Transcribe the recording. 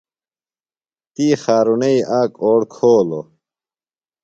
تی خارُݨئی آک اوڑ کھولوۡ۔